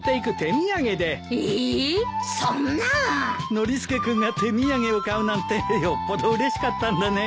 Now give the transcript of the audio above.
ノリスケ君が手土産を買うなんてよっぽどうれしかったんだね。